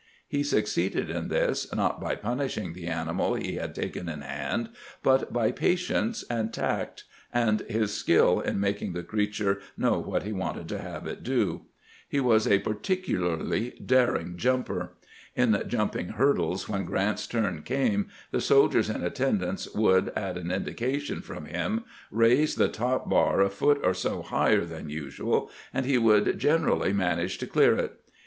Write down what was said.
He succeeded in this, not by punishing the animal he had taken in hand, but by patience and tact, and his skill in making the creature know what he wanted to have it do. He was a 342 CAMPAIGNING WITH GRANT particularly daring jumper. In jumping hurdles, when Grant's turn came the soldiers in attendance would, at an indication from him, raise the top bar a foot or so higher than usual, and he would generally manage to clear it.